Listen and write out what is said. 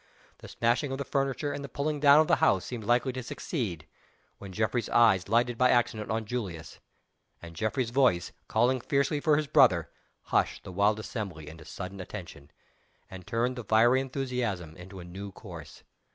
The smashing of the furniture and the pulling down of the house seemed likely to succeed when Geoffrey's eye lighted by accident on Julius, and Geoffrey's voice, calling fiercely for his brother, hushed the wild assembly into sudden attention, and turned the fiery enthusiasm into a new course.